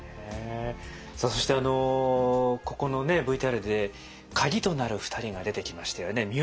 さあそしてあのここのねＶＴＲで鍵となる２人が出てきましたよね。